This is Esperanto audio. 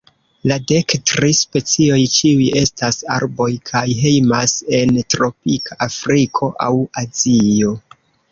La dek tri specioj ĉiuj estas arboj, kaj hejmas en tropika Afriko aŭ Azio.